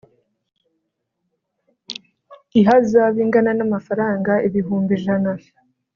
ihazabu ingana n amafaranga ibihumbi ijana